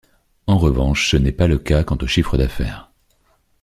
En revanche, ce n'est pas le cas quant au chiffre d'affaires.